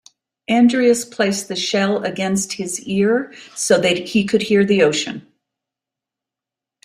Andreas placed the shell against his ear so he could hear the ocean.